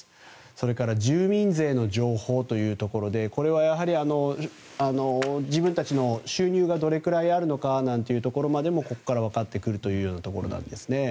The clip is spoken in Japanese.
それから住民税の情報というところでこれは、やはり自分たちの収入がどれくらいあるかなんてこともここから分かってくるというところです。